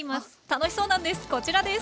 楽しそうなんです。